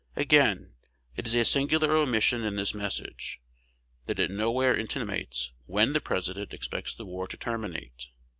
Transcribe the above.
Again, it is a singular omission in this Message, that it nowhere intimates when the President expects the war to terminate.